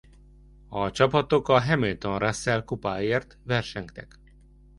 A csapatok a Hamilton-Russell kupáért versengtek.